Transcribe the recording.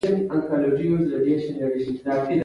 د خود کار قلم یوه تشه نلکه د ضرورت وړ سامان دی.